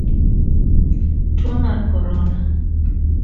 Tuo mar korona.